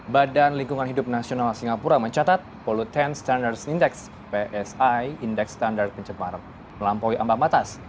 badan lingkungan hidup nasional singapura mencatat pollutan standard index psi indeks standar pencemar melampaui ambang batas